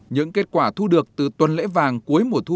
những kết quả thu được từ tuần lễ vàng cuối mùa thu